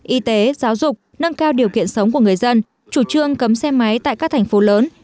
y tế giáo dục nâng cao điều kiện sống của người dân chủ trương cấm xe máy tại các thành phố lớn